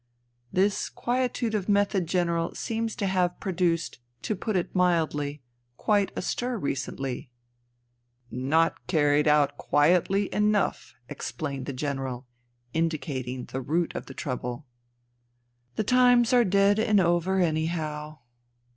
" This quietude of method. General, seems to have produced, to put it mildly, quite a stir recently ?"" Not carried out quietly enough," explained the General, indicating the root of the trouble. " The times are dead and over, anyhow."